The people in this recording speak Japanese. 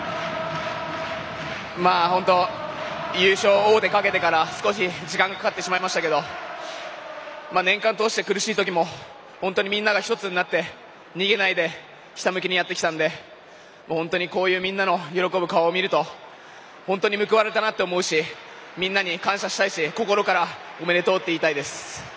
本当、優勝王手かけてから少し時間がかかってしまいましたけど年間通して苦しい時も本当にみんなが１つになって逃げないでひたむきにやってきたので本当にみんなの喜ぶ顔を見ると本当に報われたなと思うしみんなに感謝したいし、心からおめでとうって言いたいです。